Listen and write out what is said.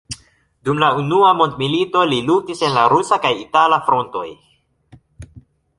Dum la unua mondmilito li luktis en la rusa kaj itala frontoj.